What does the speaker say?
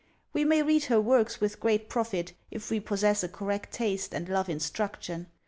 We may read her works with great profit, if we possess a correct taste, and love instruction.